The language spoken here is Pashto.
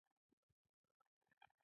د سترګو د ګل لپاره د څه شي اوبه وکاروم؟